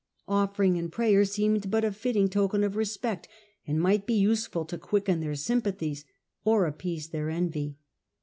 Offering and prayer seemed but a fit ting token of respect, and might be useful to quicken their sympathies or appease their envy.